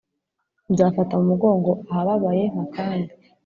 Nzafata mu mugongo ahababaye mpakande